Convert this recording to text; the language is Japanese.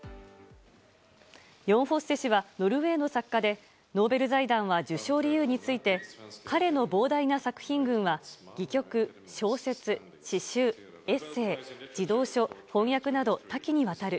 ヨン・フォッセ氏はノルウェーの作家でノーベル財団は受賞理由について彼の膨大な作品群は戯曲、小説、詩集、エッセー児童書、翻訳など多岐にわたる。